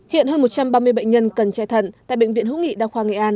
hiện hơn một trăm ba mươi bệnh nhân cần chạy thận tại bệnh viện hữu nghị đa khoa nghệ an